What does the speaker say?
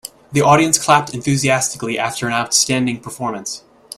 The audience clapped enthusiastically after an outstanding performance.